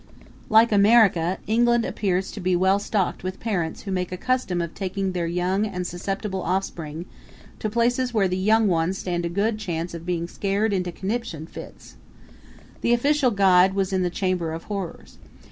Like America, England appears to be well stocked with parents who make a custom of taking their young and susceptible offspring to places where the young ones stand a good chance of being scared into connipshun fits. The official guide was in the Chamber of Horrors.